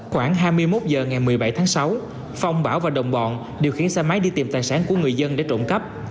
khoảng hai mươi một h ngày một mươi bảy tháng sáu phong bảo và đồng bọn điều khiển xe máy đi tìm tài sản của người dân để trộm cắp